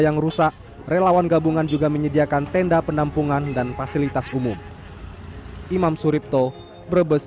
yang rusak relawan gabungan juga menyediakan tenda penampungan dan fasilitas umum imam suripto brebes